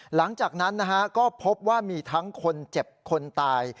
หลังจากนั้นนะฮะก็พบว่ามีทั้งคนเจ็บคนตาย